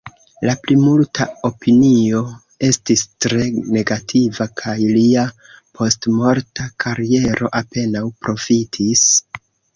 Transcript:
La plimulta opinio estis tre negativa, kaj lia postmorta kariero apenaŭ profitis.